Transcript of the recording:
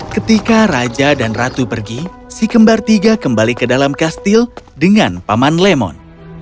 ketika raja dan ratu pergi si kembar tiga kembali ke dalam kastil dengan paman lemon